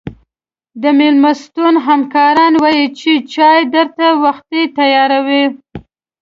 د مېلمستون همکارانو ویل چې چای درته وختي تیاروو.